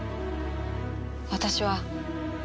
私は。